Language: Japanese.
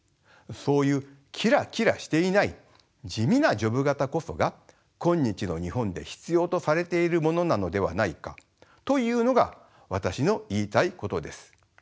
そういうキラキラしていない地味なジョブ型こそが今日の日本で必要とされているものなのではないかというのが私の言いたいことです。